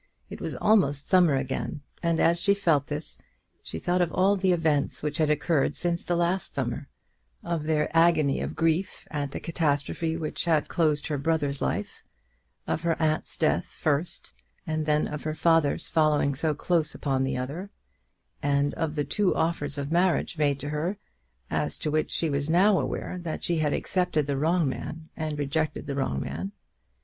It was almost summer again, and as she felt this, she thought of all the events which had occurred since the last summer, of their agony of grief at the catastrophe which had closed her brother's life, of her aunt's death first, and then of her father's following so close upon the other, and of the two offers of marriage made to her, as to which she was now aware that she had accepted the wrong man and rejected the wrong man.